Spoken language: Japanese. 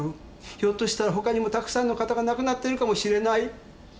ひょっとしたらほかにもたくさんの方が亡くなっているかもしれない。